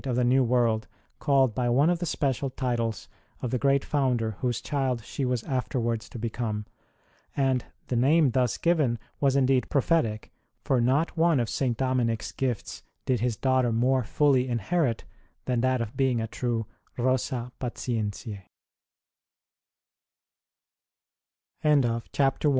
ROSE 37 of the New World called by one of the special titles of the great founder whose child she was afterwards to become; and the name thus given was indeed prophetic, for not one of St. Dominic s gifts did his daughter more fully inherit than that of being